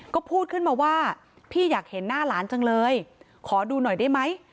ก็พูดขึ้นมาว่าพี่อยากเห็นหน้าหลานจังเลยขอดูหน่อยได้ไหม